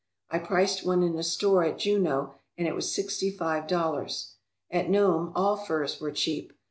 I priced one in a store at Juneau and it was sixty five dollars. At Nome all furs were cheap.